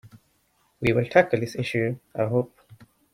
We will tackle this issue, I hope.